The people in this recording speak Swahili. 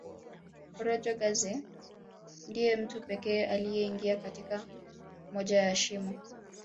Forojo Ganze ndiye mtu pekee aliyeingia katika moja ya shimo